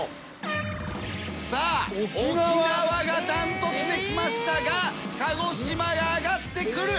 さあ沖縄が断トツで来ましたが鹿児島が上がってくる。